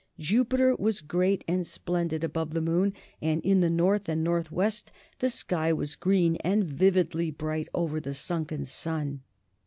Jupiter was great and splendid above the moon, and in the north and northwest the sky was green and vividly bright over the sunken sun.